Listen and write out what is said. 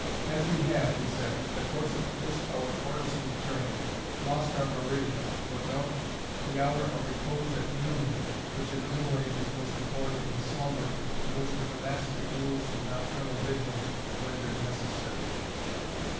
"As we have," he said, "in the course of this our toilsome journey, lost our meridian, [Footnote: The hour of repose at noon, which, in the middle ages, was employed in slumber, and which the monastic rules of nocturnal vigils rendered necessary.